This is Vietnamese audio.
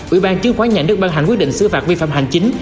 ủy ban chứng khoán nhà nước ban hành quyết định xứ phạt vi phạm hành chính